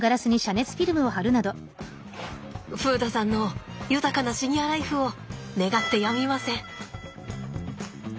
風太さんの豊かなシニアライフを願ってやみません！